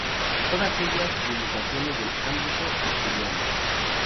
Todas ellas publicaciones del ámbito asturiano.